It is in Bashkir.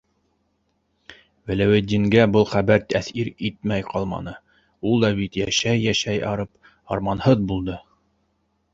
Вәләүетдингә был хәбәр тәьҫир итмәй ҡалманы: ул да бит йәшәй-йәшәй арып, арманһыҙ булды.